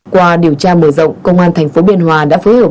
qua điều tra mở rộng công an tp biên hòa đã phối hợp